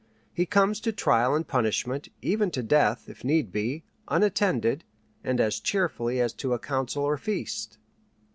He comes to trial and punishment, even to death, if need be, unattended, and as cheerfully as to a council or feast.